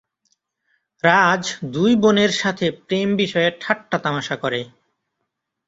রাজ দুই বোনের সাথে প্রেম বিষয়ে ঠাট্টা-তামাশা করে।